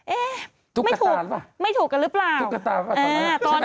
เอ๊ะไม่ถูกไม่ถูกกันหรือเปล่าตอนนั้นตอนนั้นใช่ไหม